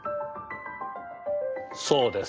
そうです。